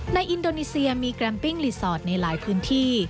อินโดนีเซียมีแกรมปิ้งรีสอร์ทในหลายพื้นที่